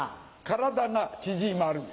体が縮まる。